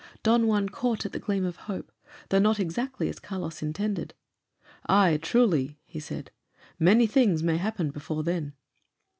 Don Juan caught at the gleam of hope, though not exactly as Carlos intended. "Ay, truly," he said, "many things may happen before then."